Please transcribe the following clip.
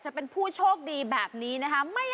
แข็งแรง